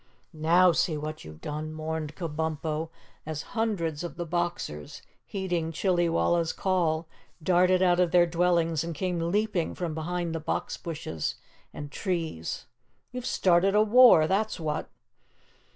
"Now see what you've done," mourned Kabumpo, as hundreds of the Boxers, heeding Chillywalla's call, darted out of their dwellings and came leaping from behind the box bushes and trees. "You've started a war! That's what!"